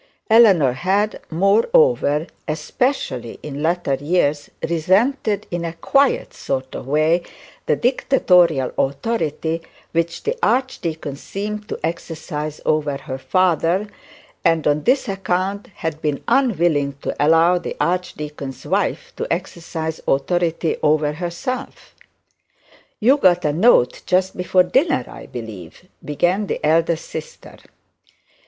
Eleanor had moreover, especially in latter years, resented in a quiet sort of way, the dictatorial authority which the archdeacon seemed to exercise over her father, and on this account had been unwilling to allow the archdeacon's wife to exercise authority over herself. 'You got a letter just before dinner, I believe,' began the eldest sister.